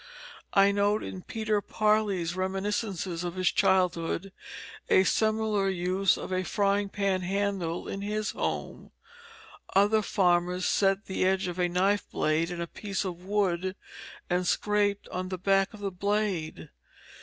I note in Peter Parley's reminiscences of his childhood a similar use of a frying pan handle in his home. Other farmers set the edge of a knife blade in a piece of wood and scraped on the back of the blade.